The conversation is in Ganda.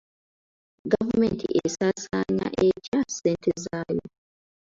Gavumenti esaasaanya etya ssente zaayo?